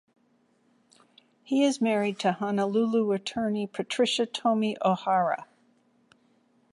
He is married to Honolulu attorney Patricia Tomi Ohara.